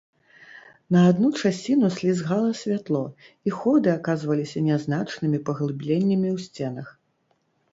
На адну часіну слізгала святло, і ходы аказваліся нязначнымі паглыбленнямі ў сценах.